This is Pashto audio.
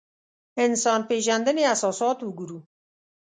انسان پېژندنې اساسات وګورو.